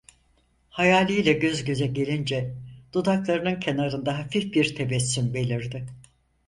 Hayaliyle göz göze gelince dudaklarının kenarında hafif bir tebessüm belirdi.